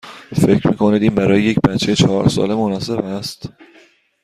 فکر می کنید این برای یک بچه چهار ساله مناسب است؟